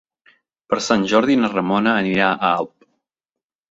Per Sant Jordi na Ramona anirà a Alp.